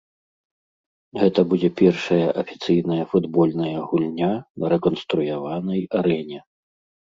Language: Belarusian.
Гэта будзе першая афіцыйная футбольная гульня на рэканструяванай арэне.